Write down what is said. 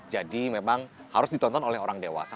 jadi memang harus ditonton oleh orang dewasa